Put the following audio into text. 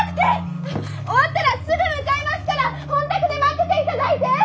終わったらすぐ向かいますから本宅で待ってていただいて！！